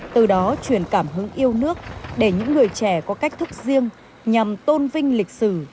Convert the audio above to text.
từ đó truyền cảm hứng yêu nước để những người trẻ có cách thức riêng nhằm tôn vinh lịch sử